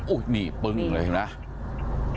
โอ้โหนี่ปึ้งเลยเห็นไหม